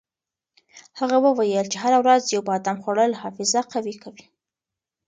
هغه وویل چې هره ورځ یو بادام خوړل حافظه قوي کوي.